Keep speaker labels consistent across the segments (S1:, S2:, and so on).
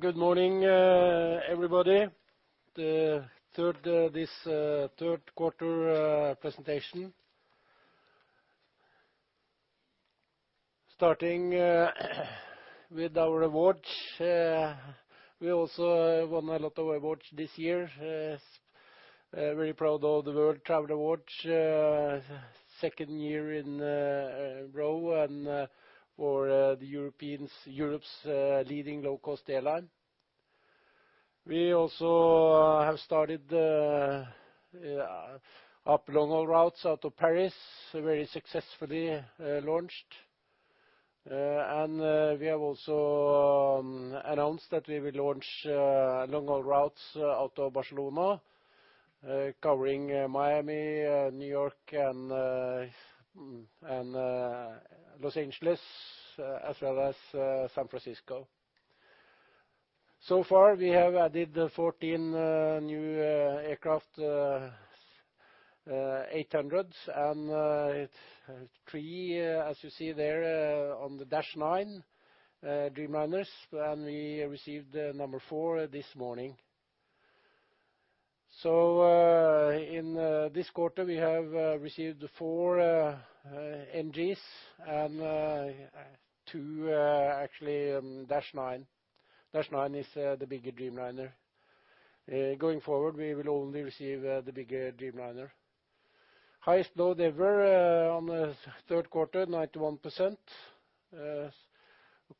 S1: Good morning, everybody. This third quarter presentation. Starting with our awards. We also won a lot of awards this year. Very proud of the World Travel Award, second year in a row for the Europe's leading low-cost airline. We also have started up long-haul routes out of Paris, very successfully launched. We have also announced that we will launch long-haul routes out of Barcelona, covering Miami, New York and Los Angeles, as well as San Francisco. So far, we have added 14 new aircraft 800s, and 3, as you see there, on the -9 Dreamliners, and we received number four this morning. In this quarter, we have received 4 NGs and 2 actually -9. -9 is the bigger Dreamliner. Going forward, we will only receive the bigger Dreamliner. Highest load ever on the third quarter, 91%.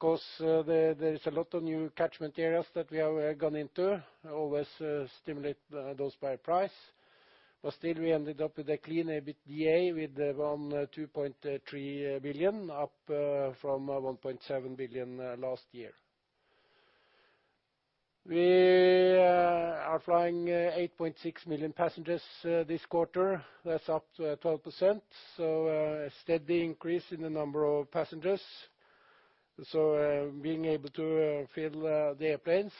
S1: There is a lot of new catchment areas that we have gone into, always stimulate those by price. Still, we ended up with a clean EBITDA with around 2.3 billion, up from 1.7 billion last year. We are flying 8.6 million passengers this quarter. That's up 12%, a steady increase in the number of passengers. Being able to fill the airplanes.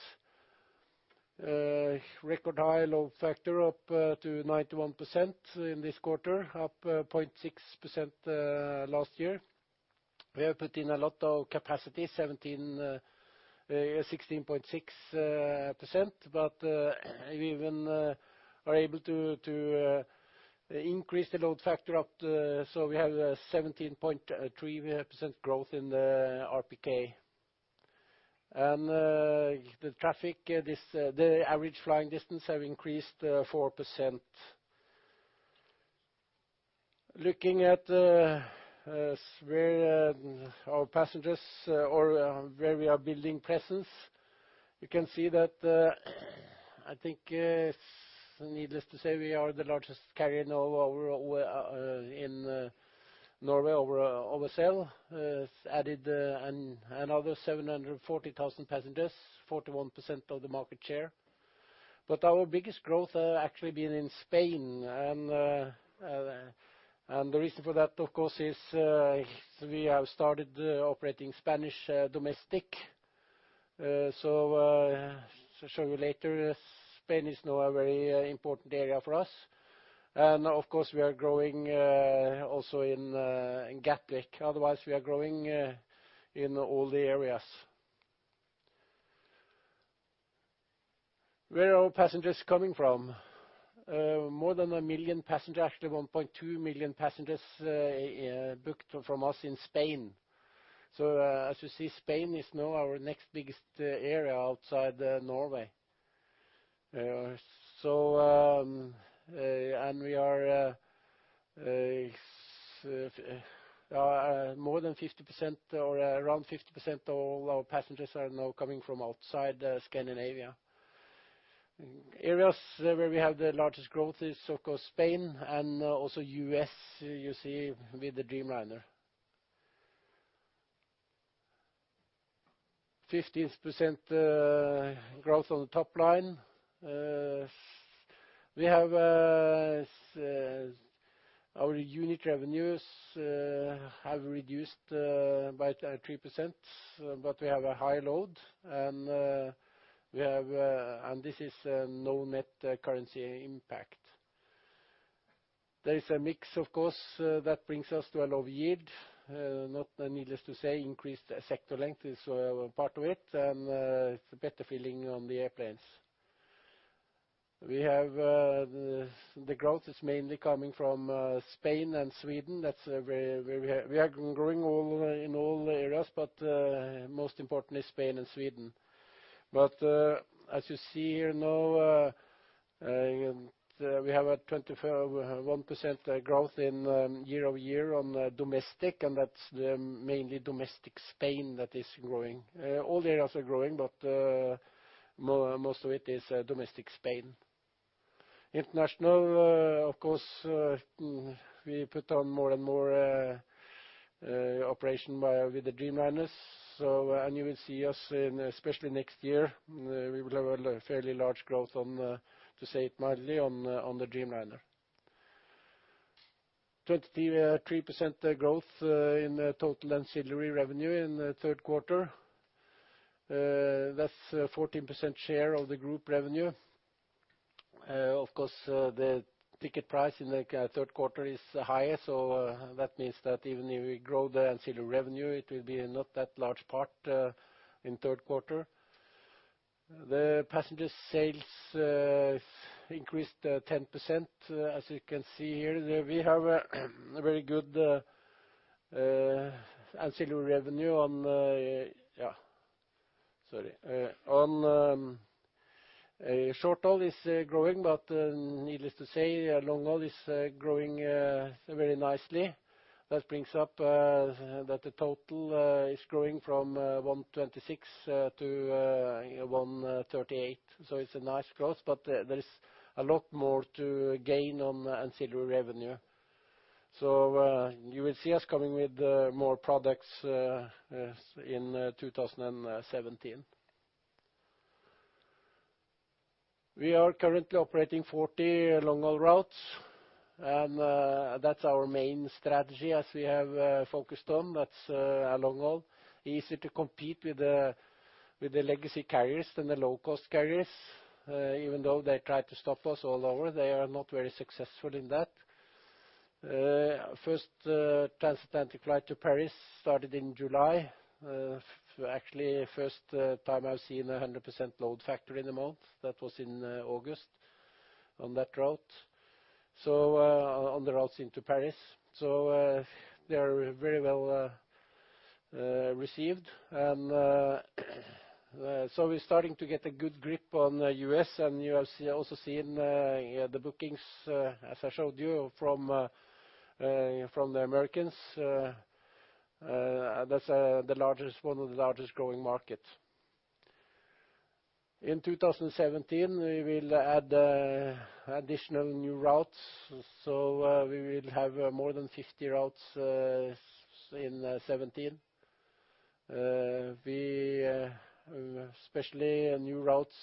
S1: Record high load factor, up to 91% in this quarter, up 0.6% last year. We have put in a lot of capacity, 16.6%, we even are able to increase the load factor up, we have 17.3% growth in the RPK. The traffic, the average flying distance have increased 4%. Looking at our passengers or where we are building presence, you can see that, I think it's needless to say, we are the largest carrier in Norway over sale, added another 740,000 passengers, 41% of the market share. Our biggest growth actually been in Spain, the reason for that, of course, is we have started operating Spanish domestic. Show you later, Spain is now a very important area for us. Of course, we are growing also in Gatwick. Otherwise, we are growing in all the areas. Where are passengers coming from? More than 1 million passengers, actually 1.2 million passengers, booked from us in Spain. As you see, Spain is now our next biggest area outside Norway. More than 50% or around 50% of all our passengers are now coming from outside Scandinavia. Areas where we have the largest growth is, of course, Spain and also U.S., you see with the Dreamliner. 15% growth on the top line. Our unit revenues have reduced by 3%, we have a high load. This is no net currency impact. There is a mix, of course, that brings us to a low yield. Needless to say, increased sector length is part of it, and it's better filling on the airplanes. The growth is mainly coming from Spain and Sweden. We are growing in all areas, most important is Spain and Sweden. As you see here now, we have a 21% growth in year-over-year on domestic, and that's mainly domestic Spain that is growing. All the areas are growing, most of it is domestic Spain. International, of course, we put on more and more operation with the Dreamliners. You will see us in especially next year, we will have a fairly large growth on, to say it mildly, on the Dreamliner. 23% growth in total ancillary revenue in the third quarter. That is 14% share of the group revenue. Of course, the ticket price in the third quarter is higher. That means that even if we grow the ancillary revenue, it will be not that large part in third quarter. The passenger sales increased 10%, as you can see here. We have a very good ancillary revenue. Short-haul is growing, but needless to say, long-haul is growing very nicely. That brings up that the total is growing from 126 to 138. It is a nice growth, but there is a lot more to gain on ancillary revenue. You will see us coming with more products in 2017. We are currently operating 40 long-haul routes, that is our main strategy as we have focused on, that is long-haul. Easy to compete with the legacy carriers than the low-cost carriers. Even though they try to stop us all over, they are not very successful in that. First transatlantic flight to Paris started in July. Actually, first time I have seen 100% load factor in the month, that was in August on that route, on the routes into Paris. They are very well received. We are starting to get a good grip on U.S., and you have also seen the bookings, as I showed you, from the Americans. That is one of the largest growing markets. In 2017, we will add additional new routes. We will have more than 50 routes in 2017. Especially new routes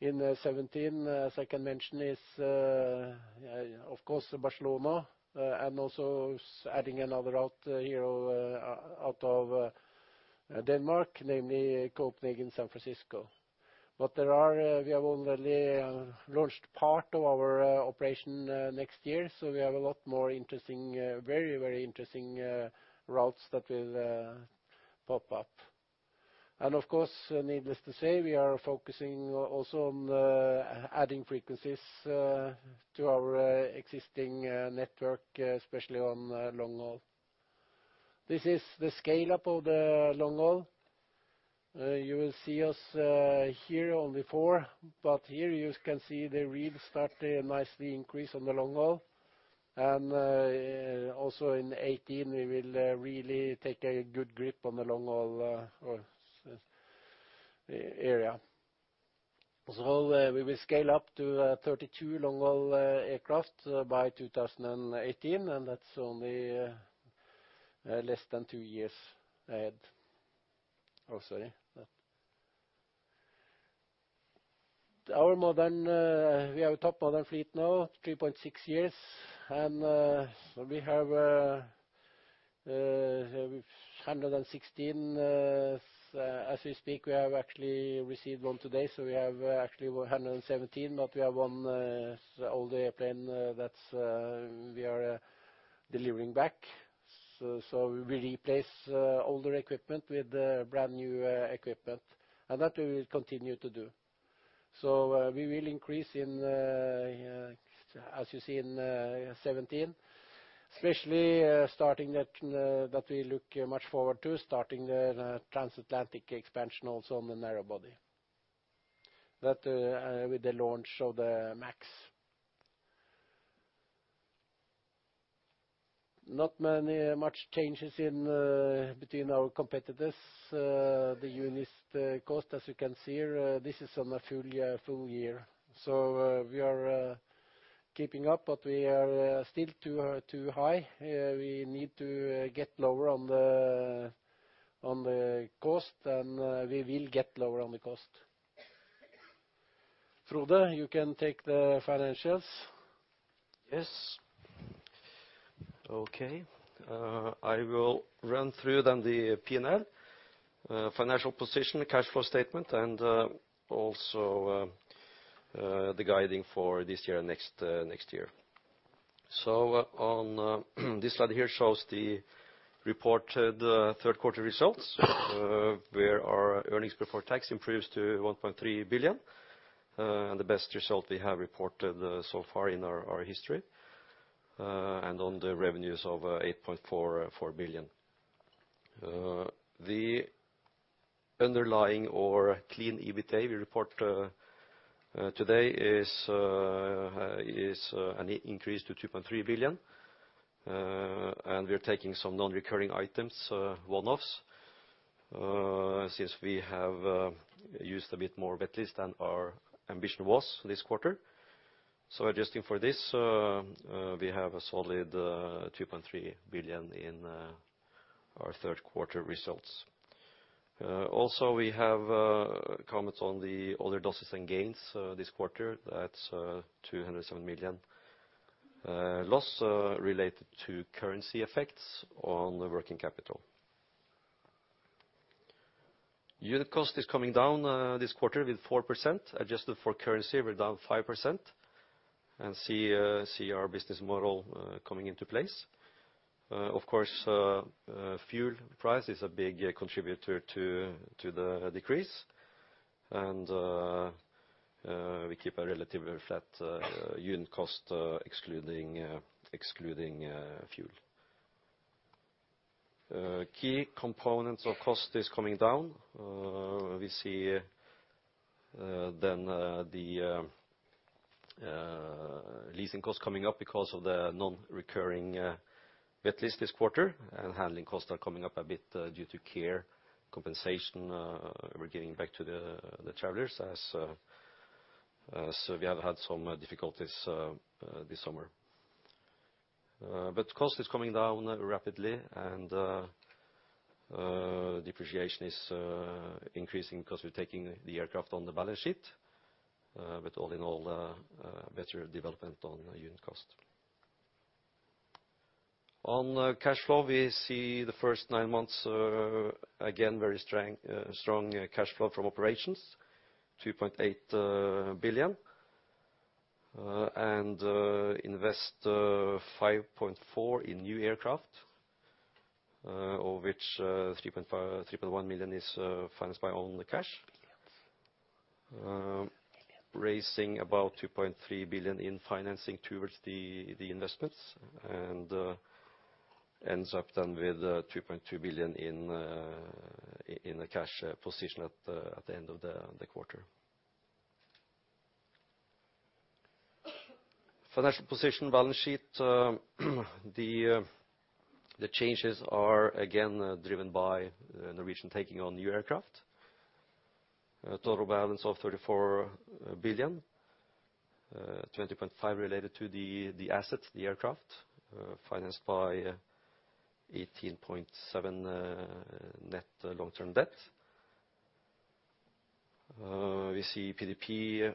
S1: in 2017, as I can mention is, of course, Barcelona, and also adding another route out of Denmark, namely Copenhagen, San Francisco. We have only launched part of our operation next year, so we have a lot more interesting, very, very interesting routes that will pop up. Of course, needless to say, we are focusing also on adding frequencies to our existing network, especially on long-haul. This is the scale-up of the long-haul. You will see us here on the four, but here you can see the yield starting nicely increase on the long-haul. Also in 2018, we will really take a good grip on the long-haul area. We will scale up to 32 long-haul aircraft by 2018, and that is only less than two years ahead. Sorry. We have a top modern fleet now, 3.6 years. We have 116. As we speak, we have actually received one today, so we have actually 117, but we have one older airplane that we are delivering back. We replace older equipment with brand-new equipment, and that we will continue to do. We will increase, as you see in 2017, especially starting that we look much forward to, starting the transatlantic expansion also on the narrow-body with the launch of the MAX. Not much changes between our competitors. The unit cost, as you can see here, this is on a full year. We are keeping up, but we are still too high. We need to get lower on the cost, and we will get lower on the cost. Frode, you can take the financials.
S2: Yes. Okay. I will run through the P&L, financial position, the cash flow statement, and also the guiding for this year and next year. On this slide here shows the reported third quarter results, where our earnings before tax improves to 1.3 billion, and the best result we have reported so far in our history, and on the revenues of 8.4 billion. The underlying or clean EBITDA we report today is an increase to 2.3 billion. We're taking some non-recurring items, one-offs, since we have used a bit more wet lease than our ambition was this quarter. Adjusting for this, we have a solid 2.3 billion in our third quarter results. Also, we have comments on the other losses and gains this quarter. That's 207 million loss related to currency effects on the working capital. Unit cost is coming down this quarter with 4%, adjusted for currency, we're down 5%, and see our business model coming into place. Of course, fuel price is a big contributor to the decrease, and we keep a relatively flat unit cost excluding fuel. Key components of cost is coming down. We see the leasing cost coming up because of the non-recurring wet lease this quarter, and handling costs are coming up a bit due to EU care compensation. We're giving back to the travelers as we have had some difficulties this summer. Cost is coming down rapidly and depreciation is increasing because we're taking the aircraft on the balance sheet. All in all, better development on unit cost. On cash flow, we see the first nine months, again, very strong cash flow from operations, 2.8 billion, and invest 5.4 billion in new aircraft, of which 3.1 million is financed by only cash. Raising about 2.3 billion in financing towards the investments and ends up with 2.2 billion in the cash position at the end of the quarter. Financial position balance sheet. The changes are again driven by Norwegian Air Shuttle taking on new aircraft. Total balance of 34 billion, 20.5 billion related to the assets, the aircraft, financed by 18.7 billion net long-term debt. We see PDP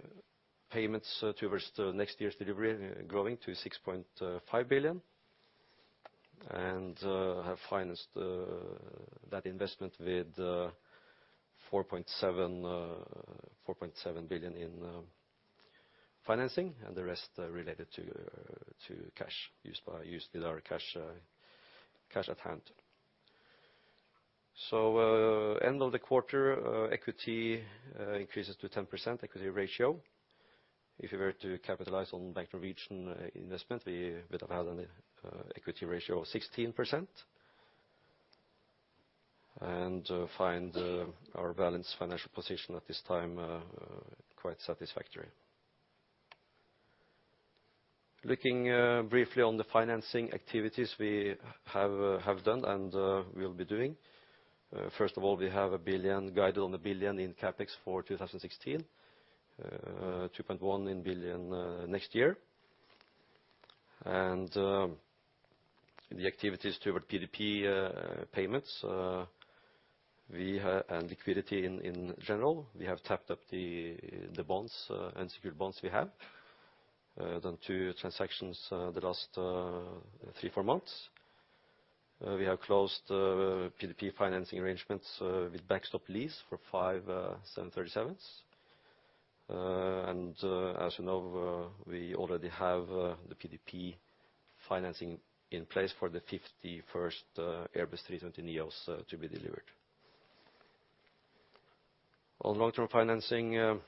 S2: payments towards the next year's delivery growing to 6.5 billion, and have financed that investment with 4.7 billion in financing and the rest related to cash used with our cash at hand. End of the quarter, equity increases to 10% equity ratio. If we were to capitalize on Bank Norwegian investment, we would have had an equity ratio of 16%, and find our balanced financial position at this time quite satisfactory. Looking briefly on the financing activities we have done and we'll be doing. First of all, we have guided on 1 billion in CapEx for 2016, 2.1 billion next year. The activities toward PDP payments and liquidity in general, we have tapped up the bonds, unsecured bonds we have. Done two transactions the last three, four months. We have closed PDP financing arrangements with backstop lease for five Boeing 737s. As you know, we already have the PDP financing in place for the 51st Airbus A320neos to be delivered. On long-term financing,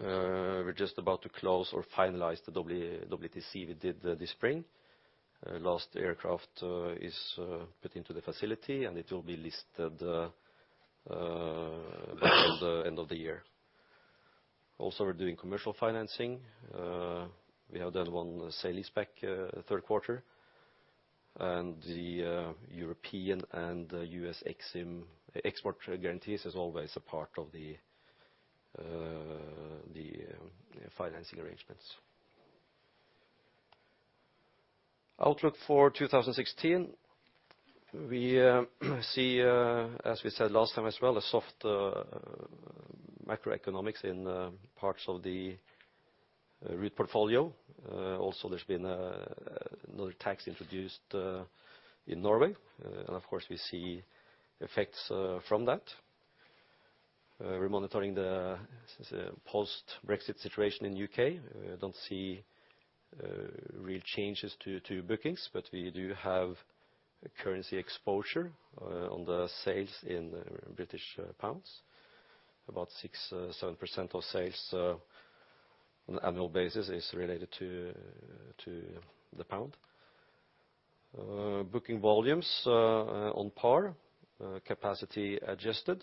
S2: we're just about to close or finalize the EETC we did this spring. Last aircraft is put into the facility. It will be listed by the end of the year. Also, we're doing commercial financing. We have done one sale-leaseback third quarter. The European and U.S. EXIM export guarantees is always a part of the financing arrangements. Outlook for 2016. We see, as we said last time as well, a soft macroeconomics in parts of the route portfolio. Also, there's been another tax introduced in Norway. Of course, we see effects from that. We're monitoring the post-Brexit situation in U.K. We don't see real changes to bookings. We do have currency exposure on the sales in British pounds. About 6, 7% of sales on an annual basis is related to the GBP. Booking volumes on par, capacity adjusted.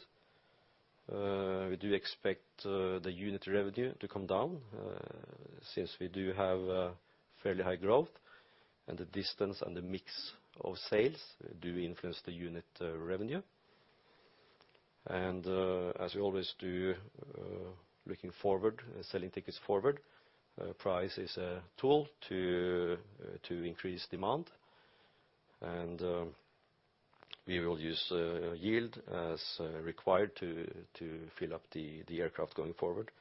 S2: We do expect the unit revenue to come down since we do have fairly high growth. The distance and the mix of sales do influence the unit revenue. As we always do looking forward, selling tickets forward, price is a tool to increase demand, and we will use yield as required to fill up the aircraft going forward,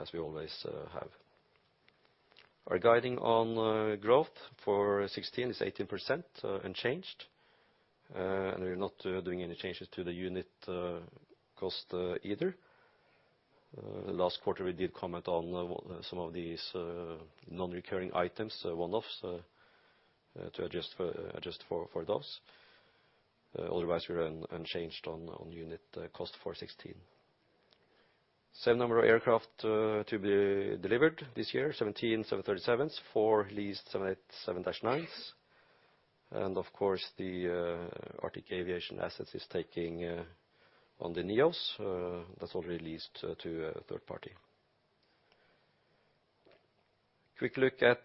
S2: as we always have. Our guiding on growth for 2016 is 18% unchanged, and we're not doing any changes to the unit cost either. Last quarter, we did comment on some of these non-recurring items, one-offs, to adjust for those. Otherwise, we're unchanged on unit cost for 2016. Same number of aircraft to be delivered this year, 17 737s, four leased 787-9s, and of course, the Arctic Aviation Assets is taking on the A320neo, that's already leased to a third party. Quick look at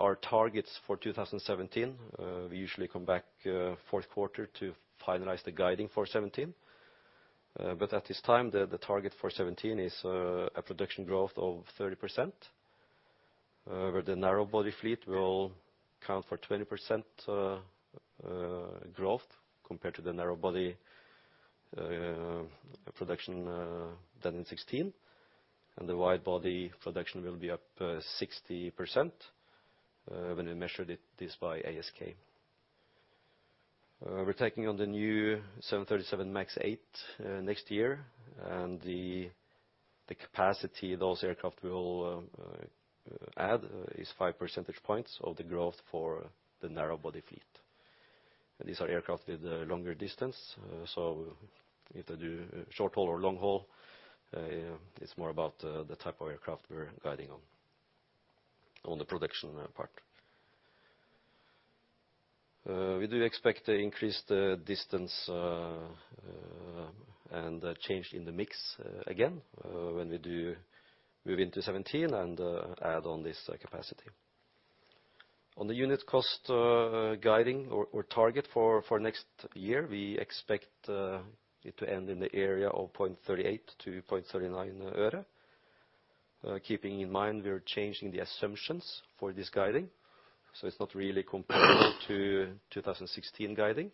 S2: our targets for 2017. We usually come back fourth quarter to finalize the guiding for 2017. At this time, the target for 2017 is a production growth of 30%, where the narrow-body fleet will count for 20% growth compared to the narrow-body production done in 2016. The wide-body production will be up 60%, when we measured this by ASK. We're taking on the new 737 MAX 8 next year, and the capacity those aircraft will add is 5 percentage points of the growth for the narrow-body fleet. These are aircraft with longer distance, so if they do short haul or long haul, it's more about the type of aircraft we're guiding on the production part. We do expect increased distance and change in the mix again, when we do move into 2017 and add on this capacity. On the unit cost guiding or target for next year, we expect it to end in the area of 0.38 øre-0.39 øre. Keeping in mind we are changing the assumptions for this guiding. It's not really comparable to 2016 guiding.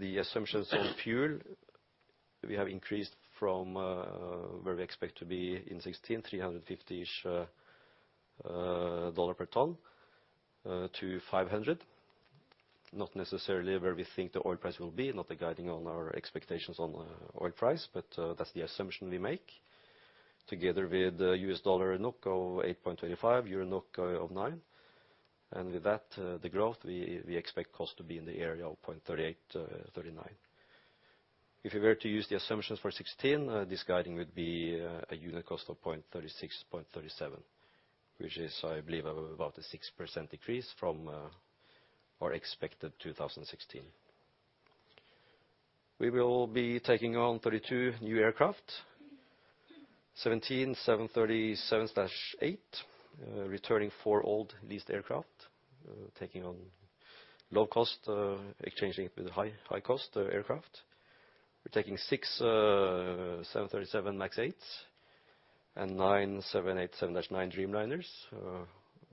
S2: The assumptions on fuel, we have increased from where we expect to be in 2016, 350-ish dollar per ton to 500 USD. Not necessarily where we think the oil price will be, not a guiding on our expectations on oil price. That's the assumption we make. Together with the U.S. dollar NOK of 8.25, EUR NOK of 9. With the growth, we expect cost to be in the area of 0.38 øre-0.39 øre. If we were to use the assumptions for 2016, this guiding would be a unit cost of 0.36 øre-0.37 øre, which is, I believe, about a 6% decrease from our expected 2016. We will be taking on 32 new aircraft, 17 737/8, returning four old leased aircraft, taking on low cost, exchanging it with high cost aircraft. We are taking six 737 MAX 8, and nine 787-9 Dreamliners,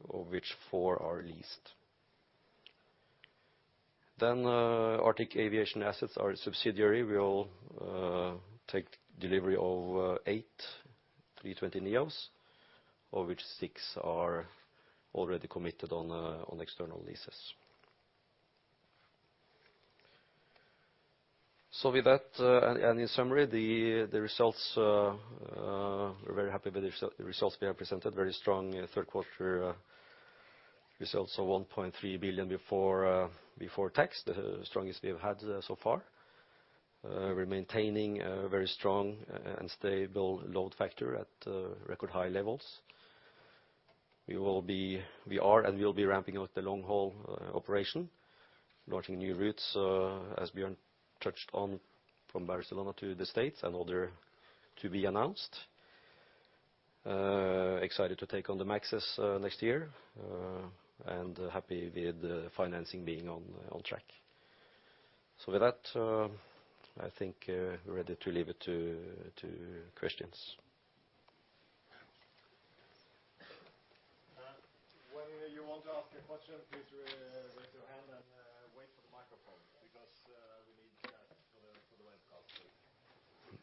S2: of which four are leased. Arctic Aviation Assets, our subsidiary, will take delivery of eight A320neos, of which six are already committed on external leases. With that, and in summary, the results, we are very happy with the results we have presented. Very strong third quarter results of 1.3 billion before tax, the strongest we have had so far. We are maintaining a very strong and stable load factor at record high levels. We are and will be ramping up the long-haul operation, launching new routes, as Bjørn touched on, from Barcelona to the States and other to be announced. Excited to take on the MAXes next year, happy with the financing being on track. With that, I think we are ready to leave it to questions.
S3: When you want to ask a question, please raise your hand and wait for the microphone, because we need that for the webcast, too.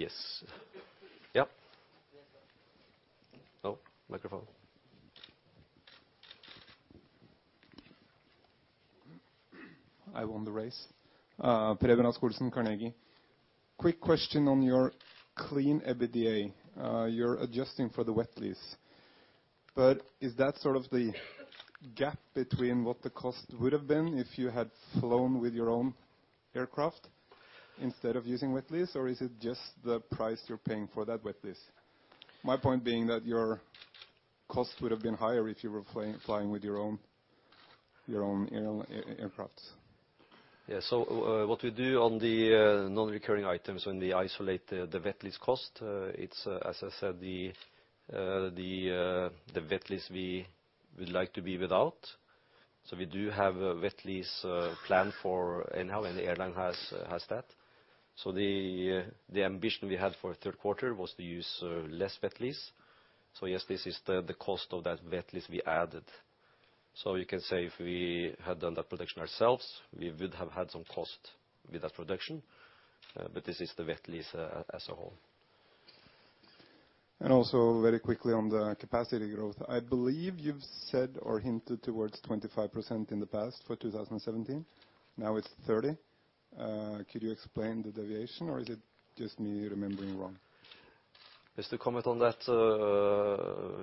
S3: Yes. Yep. Microphone.
S4: I won the race. Preben Rasch-Olesen, Carnegie. Quick question on your clean EBITDA. You're adjusting for the wet lease. Is that sort of the gap between what the cost would've been if you had flown with your own aircraft instead of using wet lease, or is it just the price you're paying for that wet lease? My point being that your cost would have been higher if you were flying with your own aircraft.
S2: Yeah. What we do on the non-recurring items, when they isolate the wet lease cost, it's, as I said, the wet lease we would like to be without. We do have a wet lease plan for in-house, any airline has that. The ambition we had for third quarter was to use less wet lease. Yes, this is the cost of that wet lease we added. You can say if we had done that production ourselves, we would have had some cost with that production. This is the wet lease as a whole.
S4: Also very quickly on the capacity growth. I believe you've said or hinted towards 25% in the past for 2017. Now it's 30. Could you explain the deviation or is it just me remembering wrong?
S2: Just to comment on that.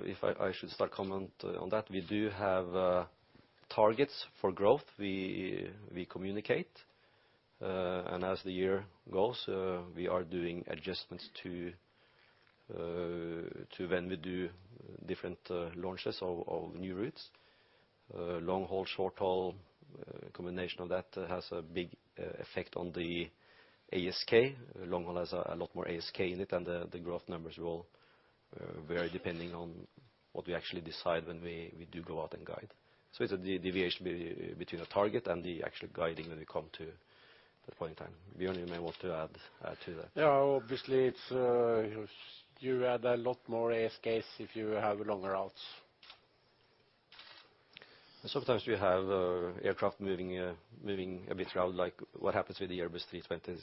S2: If I should start comment on that, we do have targets for growth. We communicate. As the year goes, we are doing adjustments to when we do different launches of new routes. Long-haul, short-haul, combination of that has a big effect on the ASK. Long-haul has a lot more ASK in it, the growth numbers will vary depending on what we actually decide when we do go out and guide. It's a deviation between a target and the actual guiding when we come to that point in time. Bjørn, you may want to add to that.
S1: Obviously, you add a lot more ASKs if you have longer routes.
S2: Sometimes we have aircraft moving a bit around, like what happens with the Airbus A320.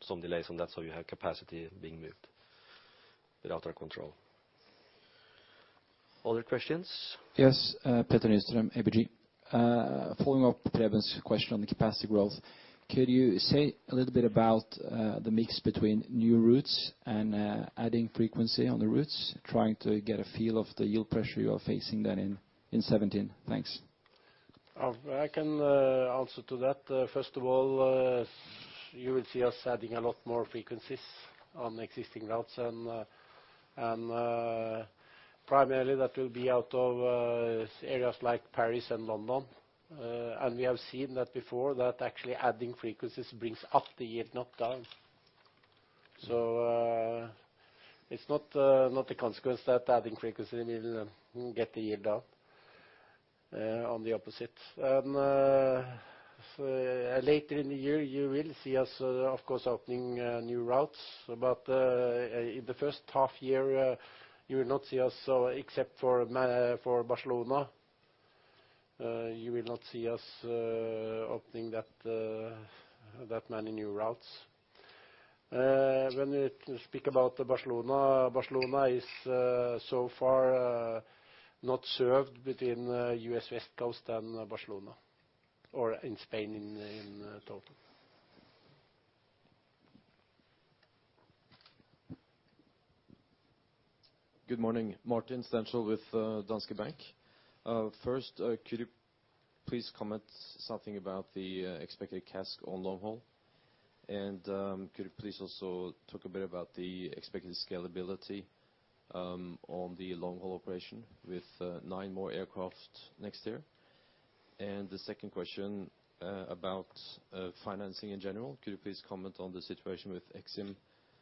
S2: Some delays on that, so you have capacity being moved without our control. Other questions?
S5: Yes. Petter Nystrøm, ABG. Following up Preben's question on the capacity growth, could you say a little bit about the mix between new routes and adding frequency on the routes, trying to get a feel of the yield pressure you are facing then in 2017? Thanks.
S1: I can answer to that. First of all, you will see us adding a lot more frequencies on existing routes, primarily that will be out of areas like Paris and London. We have seen that before, that actually adding frequencies brings up the yield, not down. It's not a consequence that adding frequency will get the yield down. On the opposite. Later in the year, you will see us, of course, opening new routes. In the first half year, you will not see us except for Barcelona. You will not see us opening that many new routes. When we speak about Barcelona is so far not served between U.S. West Coast and Barcelona or in Spain in total.
S6: Good morning. Martin Stenshall with Danske Bank. First, could you please comment something about the expected CASK on long-haul? Could you please also talk a bit about the expected scalability on the long-haul operation with nine more aircraft next year? The second question, about financing in general. Could you please comment on the situation with Ex-Im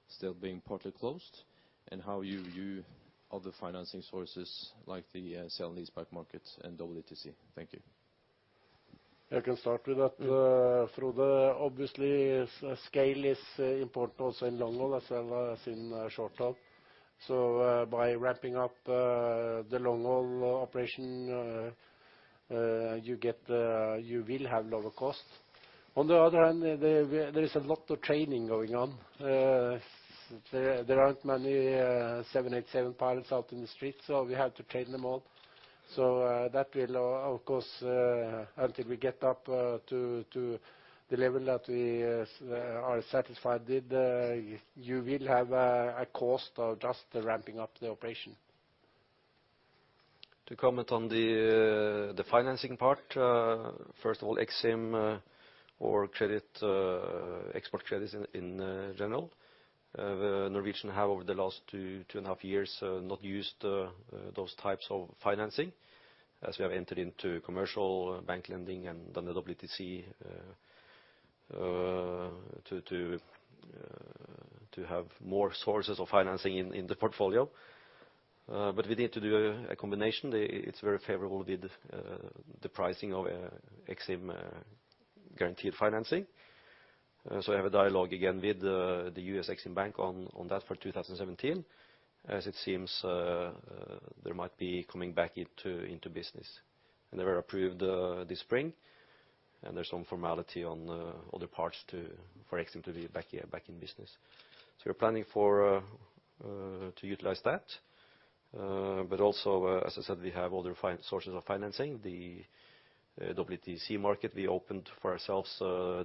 S6: still being partly closed, and how you view other financing sources like the sale-leaseback market and EETC? Thank you.
S1: I can start with that, Frode. Obviously, scale is important also in long-haul as well as in short-haul. By ramping up the long-haul operation, you will have lower cost. On the other hand, there is a lot of training going on. There aren't many 787 pilots out in the street, so we have to train them all. That will, of course, until we get up to the level that we are satisfied with, you will have a cost of just ramping up the operation.
S2: To comment on the financing part. First of all, Ex-Im or export credits in general. Norwegian have, over the last two and a half years, not used those types of financing as we have entered into commercial bank lending and done the EETC to have more sources of financing in the portfolio. We need to do a combination. It's very favorable with the pricing of Ex-Im guaranteed financing. We have a dialogue again with the U.S. Ex-Im Bank on that for 2017, as it seems they might be coming back into business. They were approved this spring, and there's some formality on other parts for Ex-Im to be back in business. We're planning to utilize that. Also, as I said, we have other sources of financing. The EETC market we opened for ourselves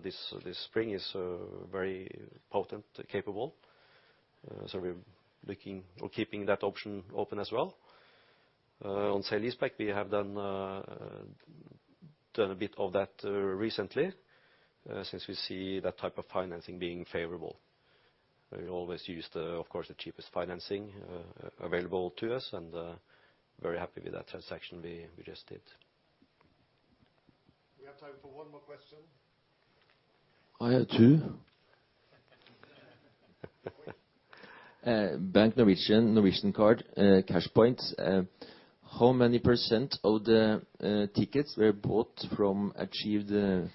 S2: this spring is very potent, capable. We're keeping that option open as well. On sale-leaseback, we have done a bit of that recently, since we see that type of financing being favorable. We always use, of course, the cheapest financing available to us, and very happy with that transaction we just did.
S3: We have time for one more question.
S7: I have two. Bank Norwegian Reward, CashPoints. How many % of the tickets were bought from achieve the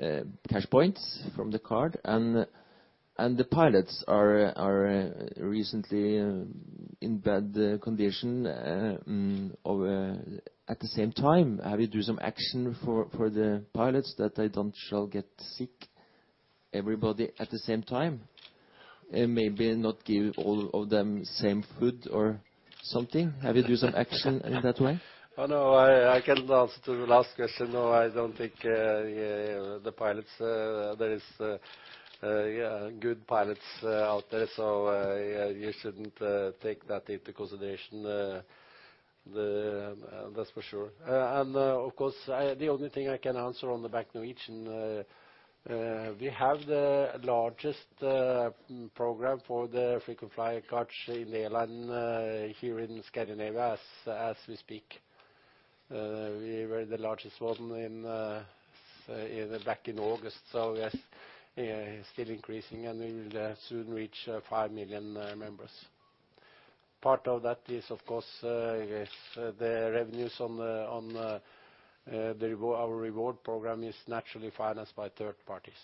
S7: CashPoints from the card? The pilots are recently in bad condition at the same time. Have you do some action for the pilots that they don't shall get sick, everybody at the same time? Maybe not give all of them same food or something. Have you do some action in that way?
S1: Oh, no, I can answer to the last question. No, I don't think the pilots There is good pilots out there, so you shouldn't take that into consideration. That's for sure. Of course, the only thing I can answer on the Bank Norwegian, we have the largest program for the frequent flyer cards in airline here in Scandinavia as we speak. We were the largest one back in August. Yes, still increasing, and we will soon reach 5 million members. Part of that is, of course, the revenues on our reward program is naturally financed by third parties.